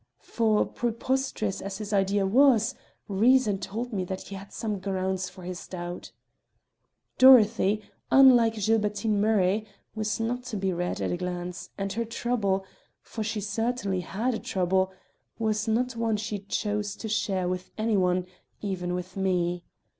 For preposterous as his idea was, reason told me that he had some grounds for his doubt. Dorothy, unlike Gilbertine Murray, was not to be read at a glance, and her trouble for she certainly had a trouble was not one she chose to share with any one, even with me.